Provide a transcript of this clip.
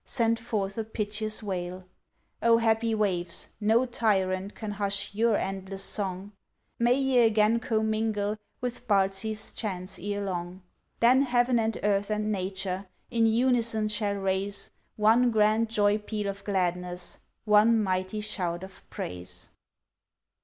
Sent forth a piteous wail. Oh happy waves! no tyrant Can hush your endless song. May ye again comingle With Bardsey's chants ere long. Then Heaven, and Earth, and Nature, In unison shall raise, One grand joy peal of gladness,— One mighty shout of praise!